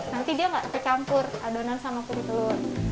nanti dia gak tercampur adonan sama putih telur